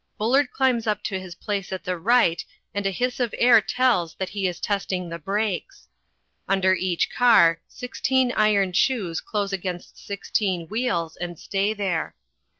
Bullard climbs to his place at the right, and a hiss of air tells that he is testing the brakes. Under each car sixteen iron shoes close against sixteen wheels, and stay there.